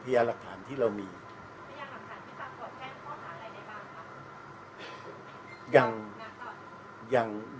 พญาหลักฐานที่สรรควะแท้ข้อถามอะไรในบ้างครับ